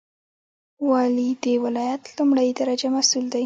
والی د ولایت لومړی درجه مسوول دی